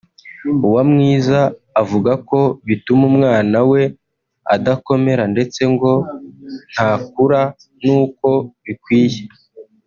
Uwamwiza avuga ko bituma umwana we adakomera ndetse ngo ntakura n’uko bikwiriye